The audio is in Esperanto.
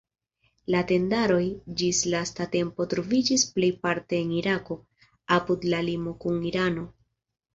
La tendaroj ĝis lasta tempo troviĝis plejparte en Irako, apud la limo kun Irano.